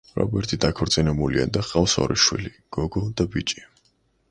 რობერტი დაქორწინებულია და ჰყავს ორი შვილი: გოგო და ბიჭი.